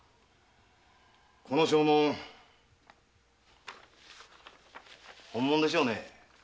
この証文本物でしょうね？